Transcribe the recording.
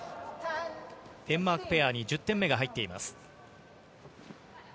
デンマークペアに１０点目が入っています。